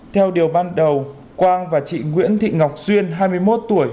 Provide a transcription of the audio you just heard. theo điều ban đầu quang và chị nguyễn thị ngọc xuyên hai mươi một tuổi